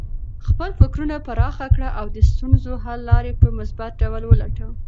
خپل فکرونه پراخه کړه او د ستونزو حل لارې په مثبت ډول ولټوه.